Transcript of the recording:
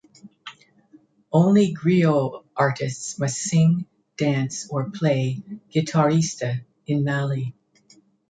Only griot artists must sing, dance or play guitariste in Mali.